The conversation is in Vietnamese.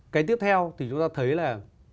cái tiếp theo thì chúng ta thấy là